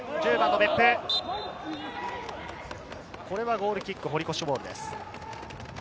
ゴールキック、堀越ボールです。